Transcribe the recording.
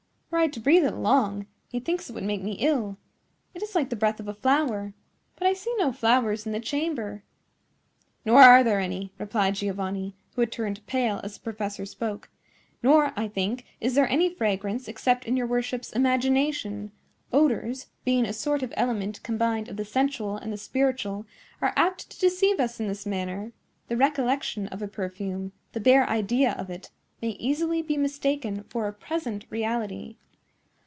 Were I to breathe it long, methinks it would make me ill. It is like the breath of a flower; but I see no flowers in the chamber." "Nor are there any," replied Giovanni, who had turned pale as the professor spoke; "nor, I think, is there any fragrance except in your worship's imagination. Odors, being a sort of element combined of the sensual and the spiritual, are apt to deceive us in this manner. The recollection of a perfume, the bare idea of it, may easily be mistaken for a present reality."